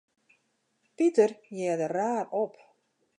Piter hearde raar op.